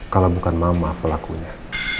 kalau bukan mama pelakunya